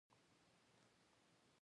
لړم، موږک، مږه، پیشو، پیښلیک.